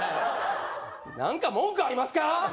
何か文句ありますか？